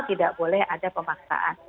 tidak boleh ada pemaksaan